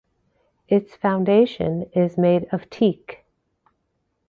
Its foundation is made of teak.